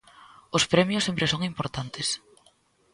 Os premios sempre son importantes.